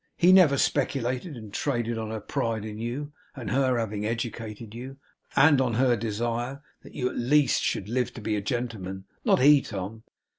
HE never speculated and traded on her pride in you, and her having educated you, and on her desire that you at least should live to be a gentleman. Not he, Tom!